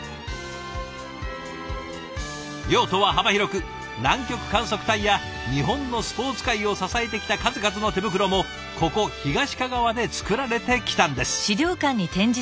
用途は幅広く南極観測隊や日本のスポーツ界を支えてきた数々の手袋もここ東かがわで作られてきたんです。